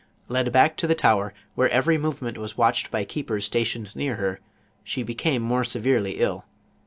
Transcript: Led back to the tower, where her every movement was watched by keepers stationed near her, she becnmo more severely ill.